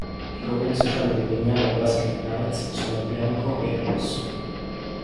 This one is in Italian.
I colori sociali del Legnano Basket Knights sono il bianco ed il rosso.